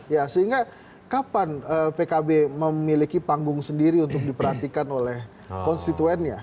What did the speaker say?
ya sehingga kapan pkb memiliki panggung sendiri untuk diperhatikan oleh konstituennya